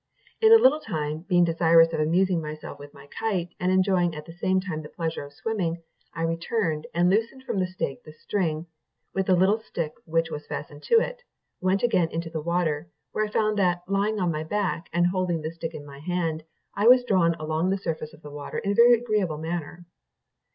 In a little time, being desirous of amusing myself with my kite, and enjoying at the same time the pleasure of swimming, I returned, and loosening from the stake the string, with the little stick which was fastened to it, went again into the water, where I found that, lying on my back, and holding the stick in my hand, I was drawn along the surface of the water in a very agreeable manner.